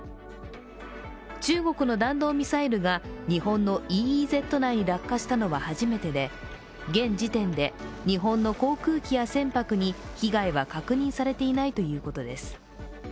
中国の弾道ミサイルが日本のＥＥＺ内に落下したのは初めてで現時点で日本の航空機や船舶に被害は確認されていないということです。